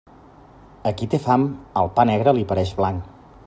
A qui té fam, el pa negre li pareix blanc.